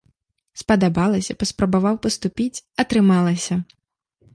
Спадабалася, паспрабаваў паступіць, атрымалася!